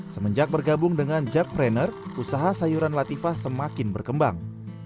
semenjak bergabung dengan jack trainer usaha sayuran latifah semakin berkembang